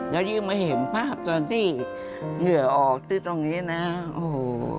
แล้วยิ่งมาเห็นภาพตอนที่เหงื่อออกที่ตรงนี้นะโอ้โห